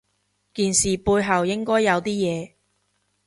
件事背後應該有啲嘢